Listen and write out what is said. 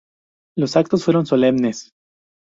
Los actos fueron solemnes.